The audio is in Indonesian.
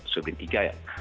subin tiga ya